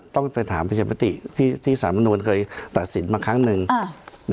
ต้องไปถามพิจัยปฏิที่สามรวมเคยตัดสินมาครั้งหนึ่งอ่า